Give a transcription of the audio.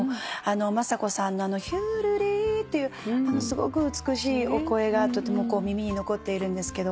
昌子さんの「ヒュルリ」っていうすごく美しいお声がとても耳に残っているんですけど。